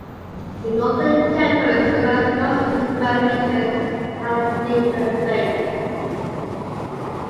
The northern territories, Iran's most integral regions, had a different fate.